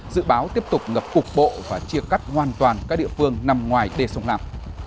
dự báo tiếp tục ngập cục bộ và chia cắt hoàn toàn các địa phương nằm ngoài đê sông lam